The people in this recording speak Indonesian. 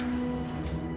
anak aku sendiri